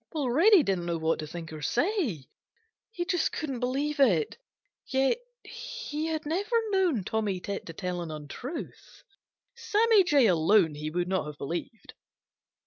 Reddy didn't know what to think or say. He just couldn't believe it, yet he had never known Tommy Tit to tell an untruth. Sammy Jay alone he wouldn't have believed.